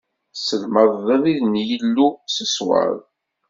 Tesselmadeḍ abrid n Yillu s ṣṣwab.